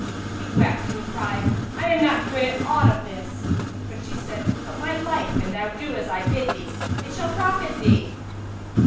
He wept and cried, "I am not good at aught of this," but she said, "By my life, an thou do as I bid thee, it shall profit thee!"